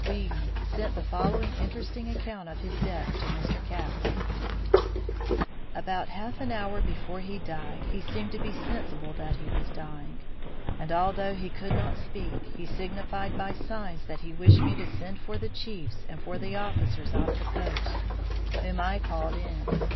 Wheedon sent the following interesting account of his death to Mr. Catlin: [Illustration: "MEDICINE MAN"] "About half an hour before he died, he seemed to be sensible that he was dying; and, although he could not speak, he signified by signs that he wished me to send for the chiefs and for the officers of the post, whom I called in.